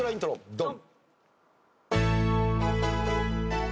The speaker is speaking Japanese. ドン！